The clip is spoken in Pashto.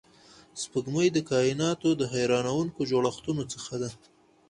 سپوږمۍ د کایناتو د حیرانونکو جوړښتونو څخه ده